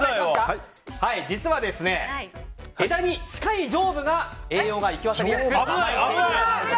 実は、ヘタに近い上部が栄養が行き渡りやすく甘いと。